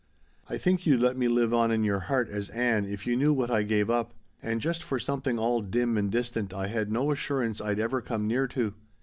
I think you'd let me live on in your heart as Ann if you knew what I gave up and just for something all dim and distant I had no assurance I'd ever come near to.